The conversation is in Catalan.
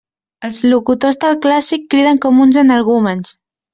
Els locutors del clàssic criden com uns energúmens.